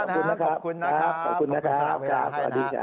ขอบคุณนะครับขอบคุณสำหรับเวลาให้นะครับ